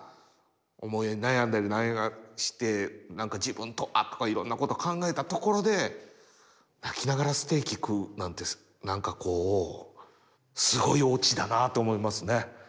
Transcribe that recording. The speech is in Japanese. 思い悩んで何か自分とはとかいろんなことを考えたところで泣きながらステーキ食うなんて何かこうすごいオチだなと思いますね。